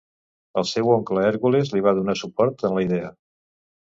El seu oncle Hèrcules li va donar suport en la idea.